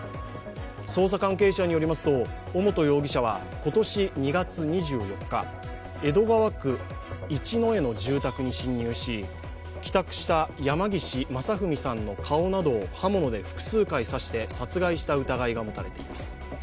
捜査関係者によりますと尾本容疑者は今年２月２４日江戸川区一之江の住宅に侵入し帰宅した山岸正文さんの顔などを刃物で複数回刺して殺害した疑いが持たれています。